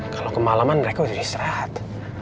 kalau kemalaman mereka udah istirahat